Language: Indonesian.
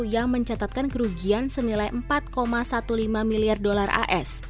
yang mencatatkan kerugian senilai empat lima belas miliar dolar as